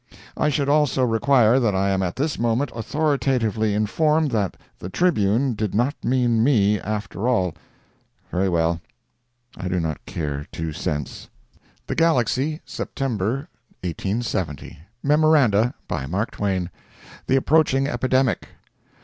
I should also require that I am at this moment authoritatively informed that "The Tribune" did not mean me, after all. Very well, I do not care two cents. THE GALAXY, September 1870 MEMORANDA. BY MARK TWAIN. THE APPROACHING EPIDEMIC.